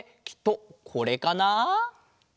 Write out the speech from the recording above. きっとこれかな？